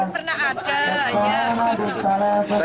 karena yang lain kan belum pernah ada